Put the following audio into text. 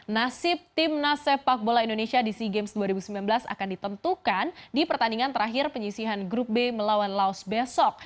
nasib timnas sepak bola indonesia di sea games dua ribu sembilan belas akan ditentukan di pertandingan terakhir penyisihan grup b melawan laos besok